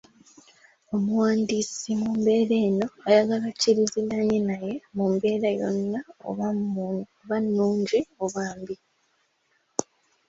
Omuwandiisi mu mbeera eno ayagala okkiriziganye naye mu mbeera yonna oba nnungi oba mbi.